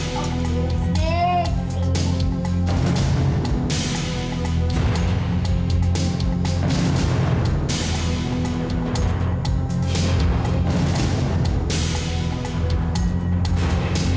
harus mengakhiri penderitaan anak anakku